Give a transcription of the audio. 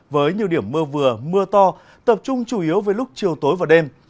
với nhiều điểm mưa vừa mưa to tập trung chủ yếu với lúc chiều tối và đêm